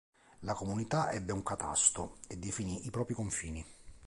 La comunità ebbe un catasto e definì i propri confini.